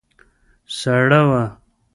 سړه وه.